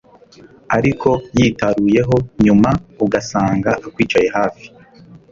ariko yitaruye ho, nyuma ugasanga akwicaye hafi